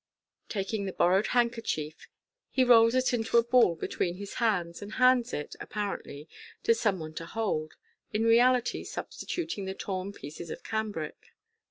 Taking the borrowed handkerchief, h rolls it into a ball between his hands, and hands it (apparently) to some one to hold, in reality substituting the torn pieces of cambric.